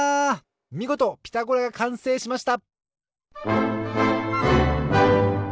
みごと「ピタゴラ」がかんせいしました